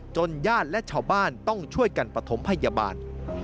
ญาติและชาวบ้านต้องช่วยกันปฐมพยาบาล